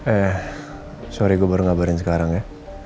eh sorry gue baru ngabarin sekarang ya